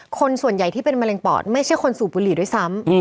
คนส่วนใหญ่ที่เป็นมะเร็งปอดไม่ใช่คนสูบบุหรี่ด้วยซ้ำ